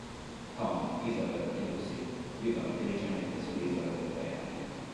Tom, Isabel e Lucy vivono felicemente sull'isola per tre anni.